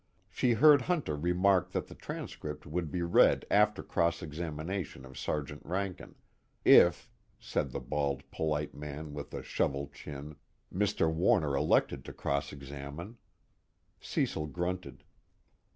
She heard Hunter remark that the transcript would be read after cross examination of Sergeant Rankin if, said the bald polite man with the shovel chin, Mr. Warner elected to cross examine. Cecil grunted.